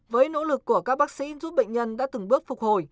với nỗ lực của các bác sĩ giúp bệnh nhân đã từng bước phục hồi